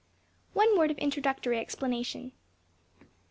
One word of introductory explanation.